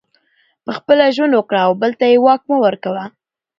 پخپله ژوند وکړه او بل ته یې واک مه ورکوه